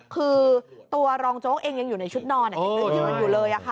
คือตัวรองโจ๊กเองยังอยู่ในชุดนอนยังยืนอยู่เลย